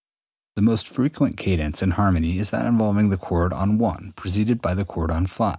203. The most frequent cadence in harmony is that involving the chord on I preceded by the chord on V.